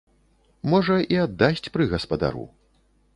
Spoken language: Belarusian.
Можа, і аддасць пры гаспадару.